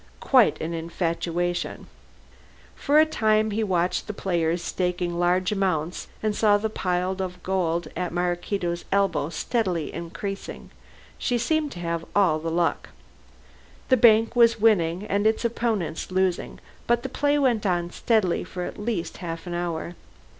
Quite an infatuation." For a time he watched the players staking large amounts, and saw the pile of gold at Maraquito's elbow steadily increasing. She seemed to have all the luck. The bank was winning and its opponents losing, but the play went on steadily for at least half an hour.